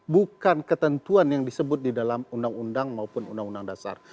bukan ketentuan yang disebut di dalam undang undang maupun undang undang dasar